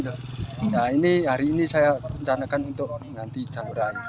nah ini hari ini saya rencanakan untuk mengganti jalur air